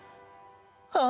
「あ！